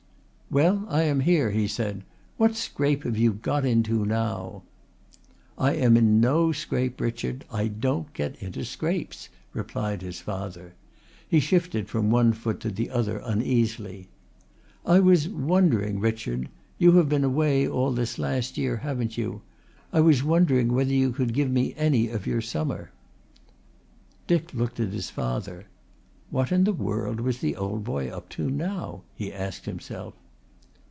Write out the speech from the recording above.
"Well, I am here," he said. "What scrape have you got into now?" "I am in no scrape, Richard. I don't get into scrapes," replied his father. He shifted from one foot to the other uneasily. "I was wondering, Richard you have been away all this last year, haven't you? I was wondering whether you could give me any of your summer." Dick looked at his father. What in the world was the old boy up to now? he asked himself.